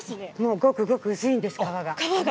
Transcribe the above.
ごくごく薄いんです、皮が。